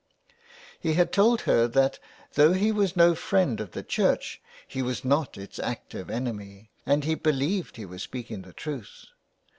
He had told her that though he was no friend of the church, he was not its active enemy, and he believed he was speaking the truth.